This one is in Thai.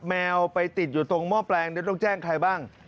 แมวไปติดอยู่ตรงหม้อแปลงต้องแจ้งใครบ้าง